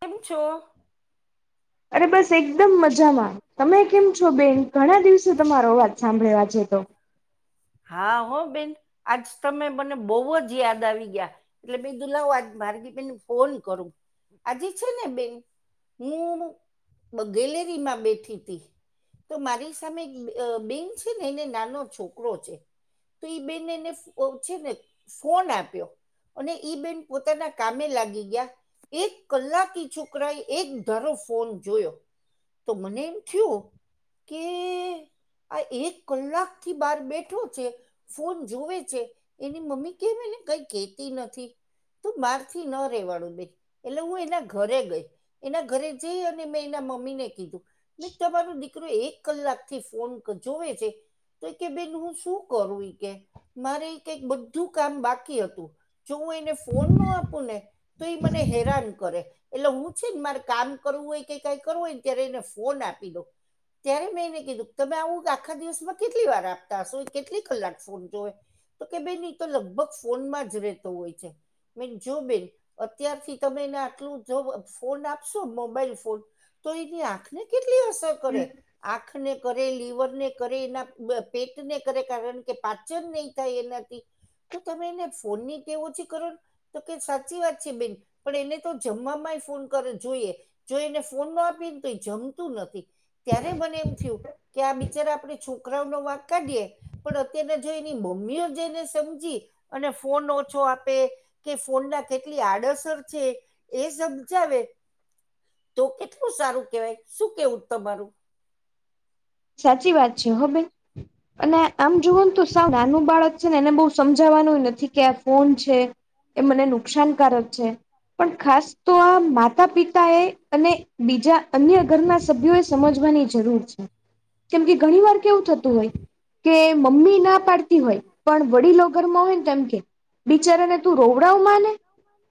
કેમ છો? અરે બસ એકદમ મજામાં. તમે મજામાં કેમ છો તમે બેન કેમ છો ઘણા બેન દિવસે તમારો દિવસે અવાજ તમારો સાંભળેવા આજે તો અવાજ હા હો બેન આજ તમે મને બહુ જ યાદ આવી ગયા એટલે બે દુલાવો આજ માર્ગી બેેન ફોન કરું આજે છે ને બેન હૂનું બ ગેલેરીમાં બેઠી હતી. તો મારી સામે બેન છે ને એને નાનો છોકરો છે. તો એ બેને એને છે ને ફોન આપ્યો. અને ઈ બેન પોતાના કામે લાગી ગયા એક કલાક‌ ઈ છોકરાએ એક ધારો ફોન જોયો તો મને એમ થિયું કે. આ એક કલાક થી બહાર બેઠો છે. ફોન જોવે છે એની મમ્મી કેમ એને કઈ કતી નથી. તું બહારથી ન રેવાળું બે એટલે હું એના ઘરે ગઈ એના ઘરે જઈ અને મે એના મમ્મ મમ્મી ને કીધું મે તમારો દીકરો એક કલાક થી ફોન જોવે છે. તો કે બેન હું શું કરું ઈ કે મારે કઈક બધું કામ બાકી હતું. જો હું એને ફોન ના આપું ને તો એ મને હેરાન કરે એટલે હું છે ને મારે કામ કરવું હોય કે કઈક કરવું હોયને ત્યારે એને ફોન આપી દોઉ ત્યારે મેં એને કીધું તમે આવું આખા દિવસમાં કેટલી વાર આપતા હશો કેટલી કલાક ફોન જોવે. તો કે બેન એ તો લગભગ ફોનમાં જ રહેતો હોય છે. મેન જો બેન અત્યારથી તમે એને આટલું જો ફોન આપશો મોબાઈલ ફોન તો એની આંખને કેટલી અસર કરે આંખને કરે લીવર ને કરે એના પેટને કરે કારણ કે પાચન નહી થાય એનાથી તો તમે એને ફોન ની ટેવ ઓછી કરો. તો કે સાચી વાત છે બેન પણ એને તો જમવામાંય ફોન કરે જોઈએ. જો એને ફોન ના આપીને તો એ જમતું નથી ત્યારે મને એમ થયું કે આ બ જ્યારે આપણેે છોકરાઓ નો વાક કાઢિએ. પણ અત્યારને જો એની મમ્મીઓ જઈને સમજી અને ફોન ઓછો આપે કે ફોન ના કેટલી આડેસર છે. એ સમજાવે તો કેટલું સારું કેવાય શું કેવું તમારું સાચી વાત છે હો બેન અને આમ જુઓ તો સાવ નાનું બાળક છે ને એને બહુ સમજાવાનું નથી કે આ ફોન છે. એ મને નુકસાનકારક છે પણ ખાસ તો આ માતા પિતા તા એ અને બીજા અન્ય ઘરના સભ્યો એ સમજવાની જરૂર છે. જેમ કે ઘણી વાર કેવું થતું હોય કે મમ્મી ના પડતી હોય પણ વડીલો ઘરમાં હોય ને તેમ કે બિચારાને તું રોવડાવ માને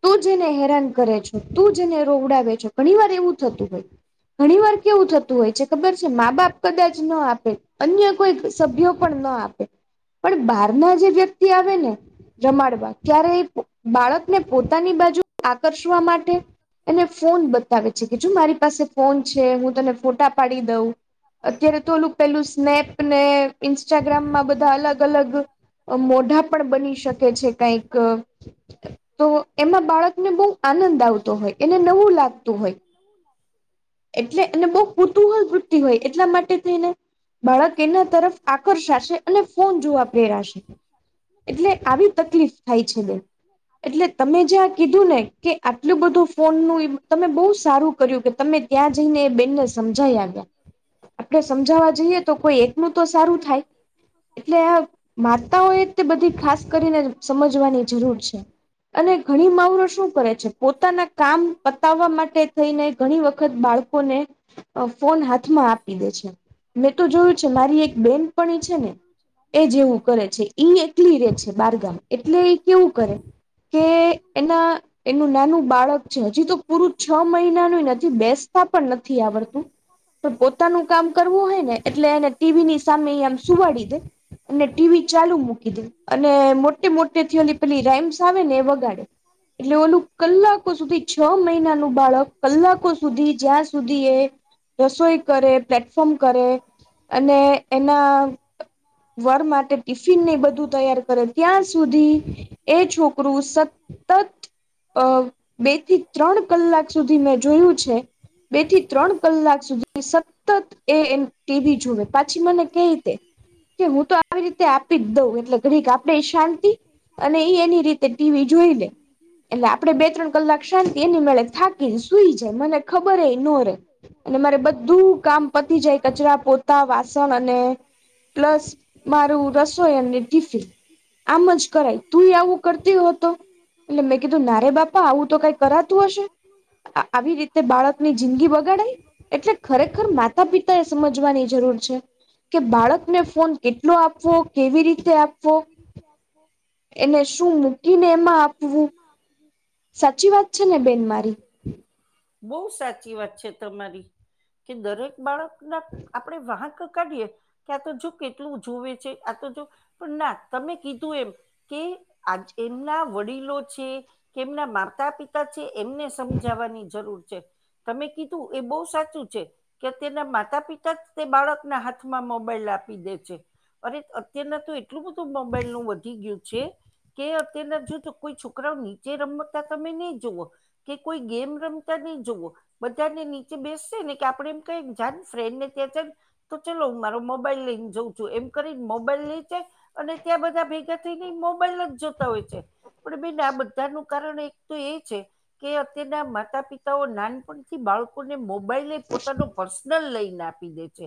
તું જેને હેરાન કરે છો તું જેને રોવડાવે છે ઘણી વાર એવું થતું હોય ઘણી વાર કેવું થતું હોય છે ખબર છે, મા બાપ આપ અન્ય કોઈ સભ્યો પણ ન આપે પણ બાર ના જે વ્યક્તિ આવે ને રમાડવા ક્યારે એ બાળકને પોતાની બાજુ આકર્ષવા માટે એને ફોન બતાવે છે, કે જોું મારી પાસે ફોન છે હું તને ફોટા પાડી દઉં અત્યારે તો ઓલું પેલું સ્નેપ ને ઇન્સ્ટાગ્રામમાં બધા અલગ અલગ મોઢા પણ બની શકે છે કઈક તો એમાં બાળકને બહુ આનંદ આવતો હોય એને નવું લાગતું હોય એટલે અને બહુ કુતુહળ વૃત્યતિ હોય એટલા માટે થઈને. બાળક એના તરફ આકર્ષાશે અને ફોન જોવા પ્રેરાશે એટલે આવી તકલીફ આઈ છે બેન એટલે તમે જ્યાં કીધું ને કે આટલું બધું ફોનનું તમે બહુ સારું કર્યું કે તમે ત્યાં ત્યાં જઈને એ બેનને સમજાઈ આવ્યા આપણે સમજાવા જઈએ તો કોઈ એકનુંું તો સારું થાય એટલે આ વાર્તાઓ એ તે બધી ખાસ કરીને સમજવાની જરૂર છે. અને ઘણી માઉરો શું કરે છે, પોતાના કામ પતાવવા માટે થઈને ઘણી વખત વખત બાળકોને ફોન હાથમાં આપી દે છે. મેં તો જોયું છે મારી એક બેનપણી છેને, એ જેવું કરે છે ઈ એકલી રે છે, બારગામ એટલે એ કેવું કરે કે હ એનું નાનું બાળક છે હજી તો પૂરું છ મહિનાનું નથી બેસતા પણ નથી આવડતુ પણ પોતાનું કામ કરવું હોય, ને એટલે એને ટીવીની સામે આમ સુવાડી દે અને ટીવી ચાલુ મૂકી દી અને મો મો મોટી થથીલી પેલી રાેમસ આવે ને વગાડે એટલે ઓલું કલાકો સુધી છ, મહિનાનુ બાળક કલાકો સુધી જ્યાં સુધી એ રસોઈ કરે પ્લેટફોર્મ કરે અને એના વર માટે ટિફિનને બધું તૈયાર કરે ત્યાં સુધી, એ છોકરુ સ તત, અ બે થી ત્રણ કલાક સુધી મેં જોયુ છે. બેથી ત્રણ કલાક સુધી સતત એ એમ ટીવી જોવે, પાછી મને કેય તે કે હું તો આવી રીતે આપી જ દઉં, એટલે ઘડીક આપણે ય શાંતિ અને એઈ એની રીતે ટીવી જોઈ લે, એટલે આ આપણે બે ત્રણ કલાક શાંતિ. એની મેળે થાકીને સુઈ જા ય. મને ખબરે ય નો રે, અને મારે બધું કામ પતી જાય કચરા પો મારું રસોઈ અને ટિફિન [inaudible] આમ જ કરાય. તું ય આવું કરતી હો તો? એટલે મેં કીધું ના રે બાપા, આવું તો કંઈ કરાતું હશે આવી રીતે બાળકની જિંદગી બગાડાય? એટલે ખરેખર માતા પિતા એ સમજવાની જરૂર છે. કે બાળકને ફોન કેટલો આપવો, કેવી રીતે આપવો એને શું મૂકીને એમાં આપવુ હમ સાચી વાત છેને, બેન મારી બહુ સાચી વાત છે, તમારી, કે દરેક બાળક નો, આપણેે વાંક કાઢીએ કે આ તો જો કેટલું જોવે છે, આ તો જો. પણ ના, તમે કીધું એમ કે આ એમના વડીલો છે. કે એમના માતા પિતા છે, એમને સમજાવાની જરૂર છે. તમે કીધું, એ બહુ સાચું છે. કે તેના માતા પિતા જ તે બાળકના હાથમાં મોબાઈલ આપી દે છે. અરે અત્યારના તો એટલું બધું મોબાઈલનું વધી ગ્યું છે, કે અત્યારના જો તો કોઈ છોકરાઓ નીચે રમતા તમે નહીં જુઓ. કે કોઈ ગેમ રમતા નહીં જોવો બધાને નીચે બેસશે, ને કે આપણે એમ કઈ ને કે જા ને ફ્રેન્ડને ત્યાં છે ને તો ચલો હું મારો મોબાઈલ લઈને જઉં છું, એમ કરીન મોબાઈલ લઈ જાય અને ત્યાં બધા ભેગા થઈને ય મોબાઈલ જ જોતા હોય છે. પણ બેન આ બ કારણ એક તો એ છે, કે અત્યારના માતા પિતાઓ નાનપણ થી બાળકોને મોબાઈલે ય પોતાનો પર્સ નલ લઈને આપી દે છે.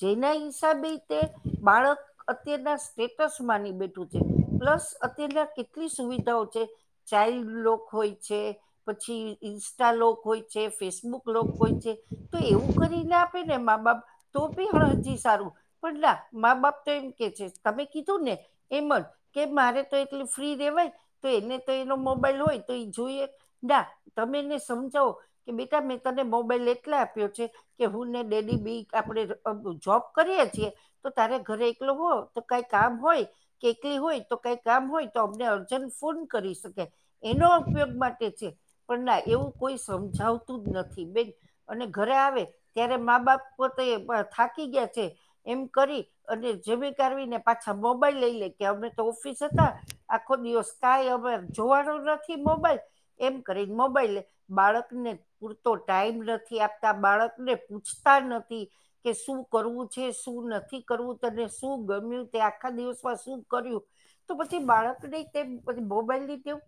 જેના હિસાબે તે બાળક અત્યારના સ્ટેટસ માની બેઠું છે. પ્લસ અત્યારના કેટલી સુવિધાઓ છે. ચાઇલ્ડ લોક હોય છે, પછી ઇન્સ્ટા લોક હોય છે, ફેસબુ બુક લોક હોય છે, તો એવું કરીને આપે ને મા બાપ, તો ભી હ જી સારું. પણ ના, મા બાપ તો એમ કે છે, તમે કીધું ને એમ જ, કે મારે તો એટલી ફ્રી રેવાય. તો એને તો એનો મોબાઈલ હોય તો ઈ જોઈ ના, તમે એને સમજાવો, કે બેટા મેં તને મોબાઈલ એટલે આપ્યો છે કે હું ને ડેડી બેને આપણેે જોબ કરીએ છીએ તો તારે ઘરે એકલો હો, તો કાંઈ કામ હોય કે કંઈ હોય, તો કાંઈ કામ હોય, તો અમને અર્જન્ટ ફોન કરી શકે, એનો ઉપયોગ માટે છે. પણ ના, એવું કોઈ સમ જાવતું જ નથી, બેન! અને ઘરે આવે, ત્યારે મા બાપ કોય પોતે થાકી ગ્યા છે એમ કરી, અને જમી કરવીને પાછા મોબાઈલ લઈ લે. કે અમે તો ઓફિસ હતા, આખો દિવસ કાંઈ અમે જોવાનો નથી મોબાઈલ એમ કરીને મોબાઈલ બાળકને પૂરતો ટાઈમ નથી આપતા, બાળકને પૂછતા નથી કે શું કરવું છે, શું નથી કરવું, તને શું ગમ્યું, તે આખા દિવસમાં શું કર્યું? તો પછી બાળકને ય કેમ કંઈ પછી મોબાઈલની ટેવ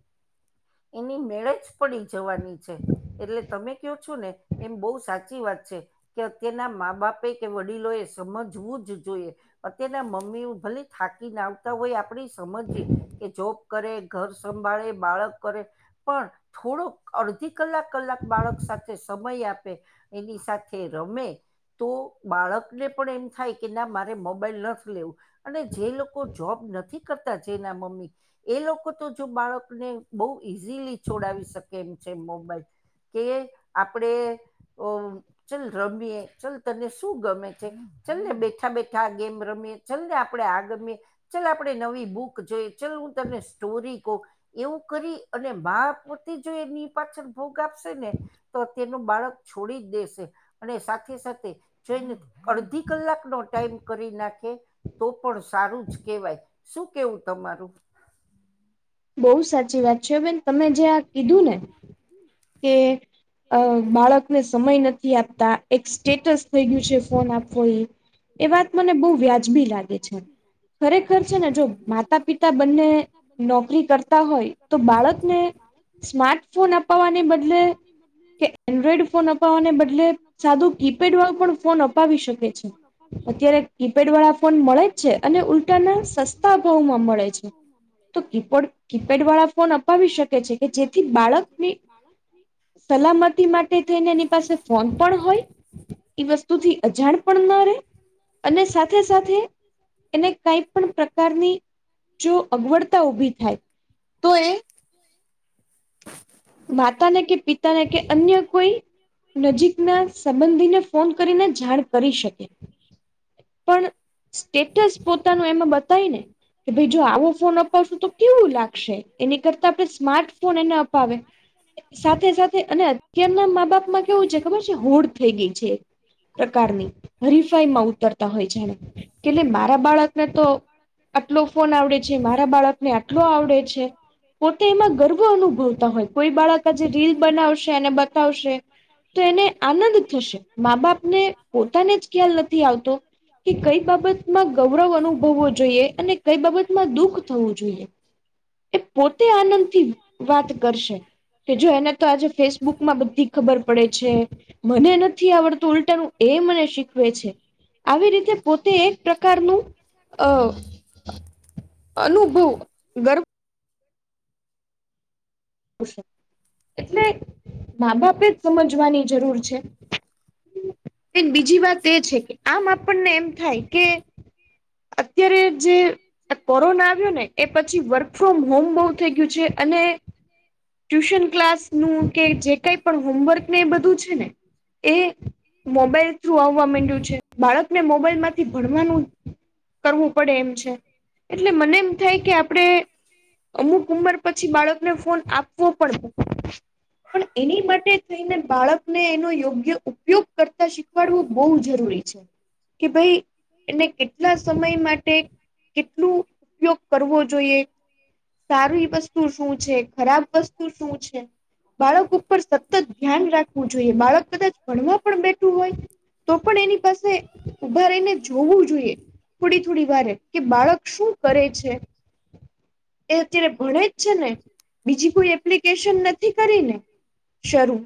એની મેળે જ પડી જવાની છે એટલે તમે કયો છો ને એમ બહુ સાચી વાત છે કે અત્યારના મા બાપે કે વડીલો એ સમજવું જ જોઈએ અતના મમ્મી ભલે થાકી ના હોય આપણે સમજી કે જોબ કરે ઘર સંભાળે બાળક કરે પણ થોડોક અડધી કલાક કલાક બાળક સાથે સમય આપે એની સાથે રમે તો બાળકને પણ એમ થાય કે ના મારે મોબાઈલ ન લેવું અને જે લોકો જોબ નથી કરતા જેના મમ્મી એ લોકો તો જો બાળકને બહુ ઈઝીલી છોડાવી શકે એમ છે મોબાઈલ કે આપણેે ઓ ચલ રમીએ ચલ તને શું ગમે છે ચલ્ ને બેઠા બેઠા ગેમ રમીએ ચલને આપણે આ ગમીએ ચાલ આપણેે નવી બુક જોઈ ચાલ હું તમને સોરી કો એવું કરી અને બા પોતે જો એની પાછળ ભોગ આપશે ને તો તેનું બાળક છોડી જ દેશે અને સાથે સાથે જોઈને અડધી કલાકનો ટાઈમ કરી નાખે તો પણ સારું જ કેહેવાય શું કેવું તમારું બહુ સાચી વાત છે બેન તમે જે આ કીધું ને કે અ બાળકને સમય નથી આપતા એક સ્ટેટસ થઈ ગયું છે ફોન આપવું એ એ વાત મને બહુ વ્યાજબી લાગે છે ખરેખર છે ને જો માતા પિતા બંનેજો નોકરી કરતા હોય હોય તો બાળકને તો બાળકને સ્માર્ટફોન અપાવવાને સ્માર્ટફોન બદલે અવાને બદલે કે એન્ડ્રોઈડ ફોન અપાવવાને બદલે સાદું કીપેડ વાળ પણ ફોન અપાવી શકે છે અત્યારે કીપેડ વાળા ફોન મળે જ છે અને ઉલ્ટાના સસ્તા અ ભાવમાં મળે છે એપણ કીપેડ વાળા ફોન આપ વાળા ફોન અપાવી શકે છે કે જેથી બાળક સલામતી માટે થઈને એની પાસે ફોન પણ હોય એ વસ્તુથી અજાણ પણ ન રહેે અને સાથે સાથે એને કઈ પણ પ્રકારની જો અ ઉભી થાય તો એ [unintelligible] માતા ને કે પિતાને કે અન્ય કોઈ નજીકના સંબંધીને ફોન કરીને જાણ કરી શકે પણ સ્ટેટસ પોતાનું એમાં બતાય ને કે ભાઈ જો આવો ફોન અપાવશું તો કેવું લાગશે એની કરતા આપણે સ્માર્ટ ફોન એને અપાવે સાથે સાથે અને અત્યારના મા બાપમાં કેવું છે ખબર છે હોડ થઈ ગઈ છે પ્રકારની હરીફાઈ માં ઉતરતા હોય છેને કેટ મારા બાળકને તો આટલો ફોન આવડે છે મારા બાળકને આટલો આવડે છે પોતે એમાં ગર્વ અનુભવતા હોય કોઈ બાળક આજે રીલ બનાવશે ને બતાવશે તો એને આનંદ થશે મા બાપને પોતાને જ ખ્યાલ નથી આવતો કે કઈ બાબતમાં ગૌરવ અનુભવવો જોઈએ અને કઈ બાબતમાં દુઃખ થવું જોઈએ એ પોતે આનંદથી વાત કરશે કે જો એને તો આજે ફેસબુક માં બધી ખબર પડે છે મને નથી આવડતું ઉલટાનુંું એ મને શીખવે છે આવી રીતે પોતે એક પ્રકારનું અ અનુભવ ગર એટલે મા બાપે જ સમજવાની જરૂર છે બીજી વાત એ છે કે આમ આપણને એમ થાય કે અત્યારે જે કોરોના આવ્યો ને એ પછી વર્ક ફ્રોમ હોમ બહુ થઈ ગયું છે અને ટ્યુશન ક્લાસ નું કે જે કઈ પણ હોમવર્ક ને એ બધું છે ને એ મોબાઈલ થ્રુ આવવા માંડ્યું છે. બાળક ને મોબાઈલ માંથી ભણવાનું કરવું. પડે એમ છે એટલે મને એમ થાય કે આપણે. અમુક ઉંમર પછી બાળકને ફોન આપ. પણ એની માટે થઈને બાળકને એનો યોગ્ય ઉપયોગ. કરતા શીખવાડવું બહ જરૂરી છે કે ભાઈ એને કેટલા. સમય માટે કેટલું ઉપયોગ કરવો જોઈએ સારી વસ્તુ. વતુ શું છે ખરાબ વસ્તુ શું છે. બાળક ઉપર સતત ધ્યાન રાખવું જોઈએ બાળક કદાચ ભણવા પણ બેઠું હોય. તો પણ એની પાસે ઉઊભા રહીને જોવું જોઈએ. થોડી થોડી વારે કે બાળક શું કરે છે. એ અત્યારે ભણે જ છે ને બીજી. કોઈ એપ્લિકેશન નથી કરીને શરૂ.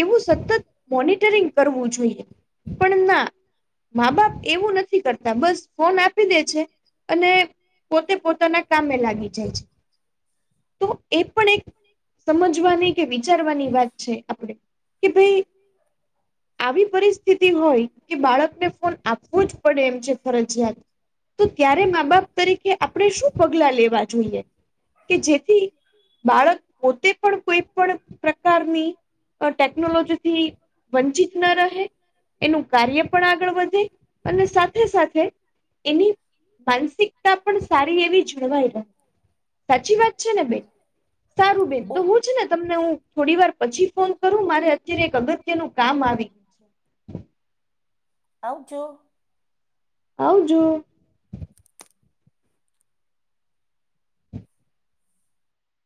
એવું સતત મોનિટરિંગ કરવું જોઈએ પણ ના. મા બાપ એવું નથી કરતા બસ ફોન આપી દે છે. અને પોતે પોતાના કામે લાગી જાય છે તો એ પણ એક. સમજવાની કે વિચારવાની વાત છે આપણેે. કે ભાઈ આવી પરિસ્થિતિ હોય કે બાળકને ફોન આપવો જ. પડે એમ છે ફરજિયાત. તો ત્યારે મા બાપ તરીકે આપણે શું પગલા લેવા જોઈએ. કે જેથી બાળક. પોતે પણ કોઈ પણ. પ્રકારની ટેકનોલોજીથી વંચિત ન રહે. એનું કાર્ય પણ આગળ વધે અને સાથે સાથે. એની માનસિકતા પણ સારી એવી જળવાઈ રહે સાચી વાત છે ને બેન. સારું બેન તો બો હું છે ને તમને હું થોડી વાર પછી ફોન કરું મારે. અત્યારે એક અગત્યનું કામ આવી ગ્યું. [unintelligible] આવજો. આવજું.